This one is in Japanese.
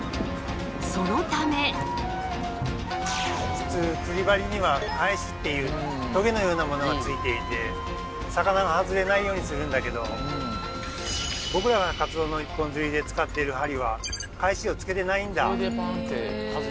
普通釣り針には「かえし」っていうトゲのようなものがついていて魚が外れないようにするんだけど僕らがカツオの一本釣りで使っている針はかえしをつけてないんだ。